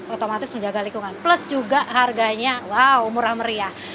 otomatis menjaga lingkungan plus juga harganya wow murah meriah